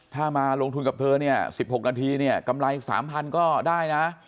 ถ้ามาลงทุนกับเธอ๑๖นาทีกำไร๓๐๐๐ก็ได้นะ